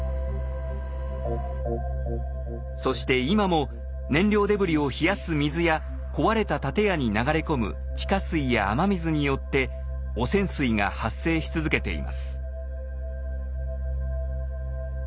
そして今も燃料デブリを冷やす水や壊れた建屋に流れ込む地下水や雨水によって汚染水が発生し続けています。